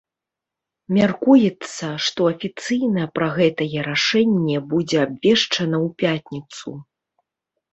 Мяркуецца, што афіцыйна пра гэтае рашэнне будзе абвешчана ў пятніцу.